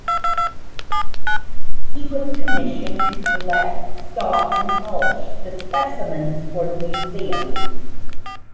He was commissioned to collect, saw, and polish the specimens for the museum.